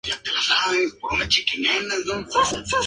Es una especie netamente arborícola.